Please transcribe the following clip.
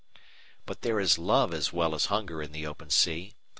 But there is love as well as hunger in the open sea.